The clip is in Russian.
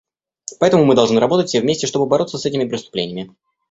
Поэтому мы должны работать все вместе, чтобы бороться с этими преступлениями.